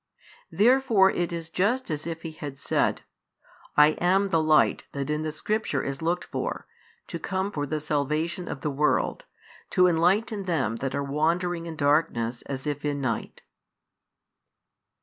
Therefore it is just as if He had said: "I am the Light that in the Scripture is looked for, to come for the salvation of the world, to enlighten them that are wandering in darkness as if in night."